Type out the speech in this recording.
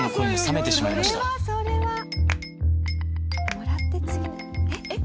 もらって次の日えっ？